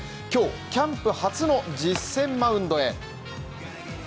今日、キャンプ初の実戦マウンドへ。